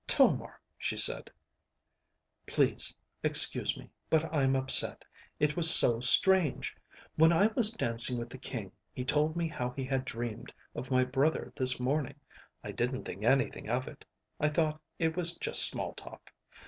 "Tomar," she said. "Please, excuse me, but I'm upset. It was so strange. When I was dancing with the King, he told me how he had dreamed of my brother this morning. I didn't think anything of it. I thought it was just small talk.